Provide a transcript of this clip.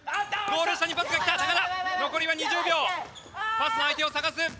パスの相手を探す。